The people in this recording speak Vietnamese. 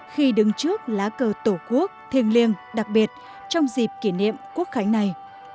khi đứng trước lá cờ tổ quốc thiêng liêng đặc biệt trong dịp kỷ niệm quốc khánh này